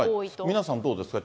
皆さん、どうですか。